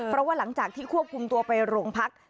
เพราะว่าหลังจากที่ควบคุมตัวไปโรงพัก